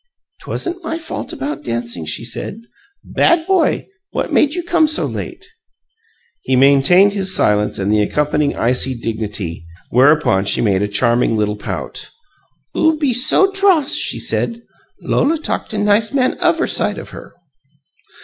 "'Twasn't my fault about dancing," she said. "Bad boy! What made you come so late?" He maintained his silence and the accompanying icy dignity, whereupon she made a charming little pout. "Oo be so tross," she said, "Lola talk to nice Man uvver side of her!"